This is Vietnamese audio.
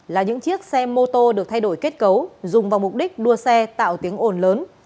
là những chiếc xe mô tô được thay đổi kết cấu dùng vào mục đích đua xe tạo tiếng ồn lớn